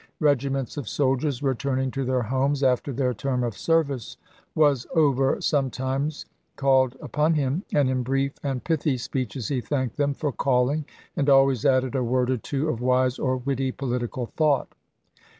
Regiments of soldiers return ing to their homes after their term of service was over sometimes called upon him, and in brief and pithy speeches he thanked them for calling, and always added a word or two of wise or witty po i864 litical thought.